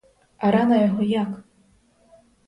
А рана його як?